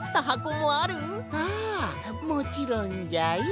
ああもちろんじゃよ。